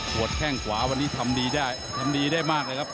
กวดแท่งขวาสมัยเยอะมากธ์นะครับ